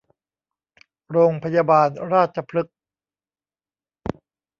โรงพยาบาลราชพฤกษ์